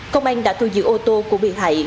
công an đã thu giữ ô tô của bị hại